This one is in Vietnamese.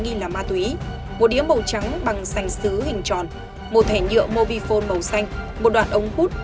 nghi là ma túy một đĩa màu trắng bằng sành xứ hình tròn một thẻ nhựa mobifone màu xanh một đoạn ống hút